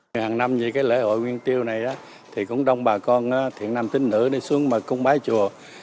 hàng năm lễ hội nguyên tiêu này cũng đông bà con thiện nam tính nữ xuống cung bái chùa